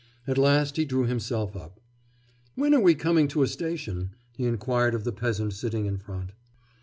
At last he drew himself up. 'When are we coming to a station?' he inquired of the peasant sitting in front.